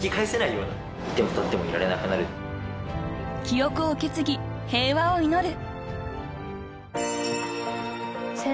［記憶を受け継ぎ平和を祈る］